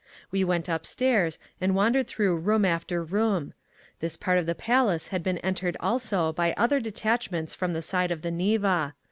We went upstairs and wandered through room after room. This part of the Palace had been entered also by other detachments from the side of the Neva.